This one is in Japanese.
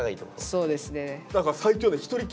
そうですね。